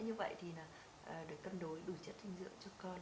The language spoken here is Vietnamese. như vậy thì được cân đối đủ chất dinh dưỡng cho con